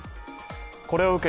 これを受け